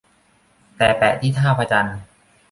แต่แปะที่ท่าพระจันทร์